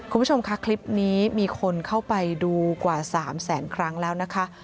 คุณผู้ชมค่ะคลิปนี้มีคนเข้าไปดูกว่า๓แสนครั้งแล้วนะคะ